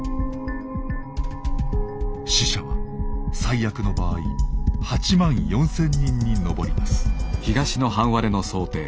死者は最悪の場合８万４，０００人に上ります。